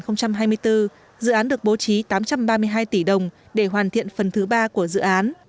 năm hai nghìn hai mươi bốn dự án được bố trí tám trăm ba mươi hai tỷ đồng để hoàn thiện phần thứ ba của dự án